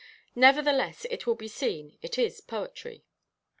Nevertheless, as will be seen, it is poetry.